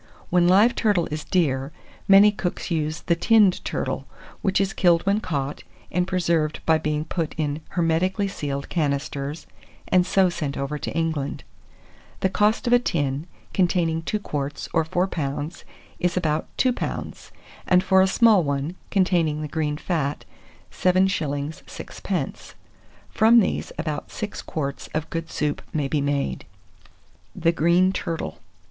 When live turtle is dear, many cooks use the tinned turtle, which is killed when caught, and preserved by being put in hermetically sealed canisters, and so sent over to England. The cost of a tin, containing 2 quarts, or 4 lbs., is about £2, and for a small one, containing the green fat, 7s. 6d. From these about 6 quarts of good soup may be made. [Illustration: THE TURTLE.] THE GREEN TURTLE.